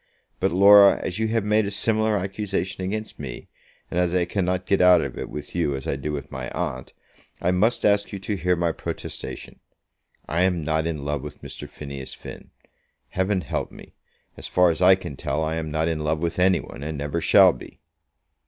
But, Laura, as you have made a similar accusation against me, and as I cannot get out of it with you as I do with my aunt, I must ask you to hear my protestation. I am not in love with Mr. Phineas Finn. Heaven help me; as far as I can tell, I am not in love with any one, and never shall be."